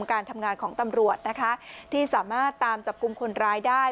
การทำงานของตำรวจนะคะที่สามารถตามจับกลุ่มคนร้ายได้